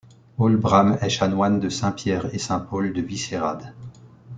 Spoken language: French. Olbram est chanoine de Saint-Pierre et Saint-Paul de Vyšehrad.